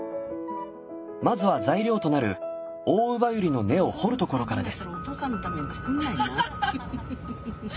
まずは材料となるオオウバユリの根を掘るところからです。